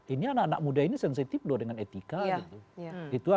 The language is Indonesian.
ini anak anak muda ini sensitif loh dengan etika gitu